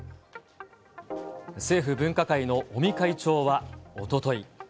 政府分科会の尾身会長は、おととい。